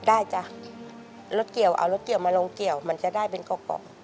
จ้ะรถเกี่ยวเอารถเกี่ยวมาลงเกี่ยวมันจะได้เป็นเกาะ